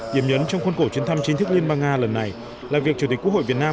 điểm nhấn trong khuôn cổ chuyên thăm chính thức liên bang nga lần này là việc chủ tịch quốc hội việt nam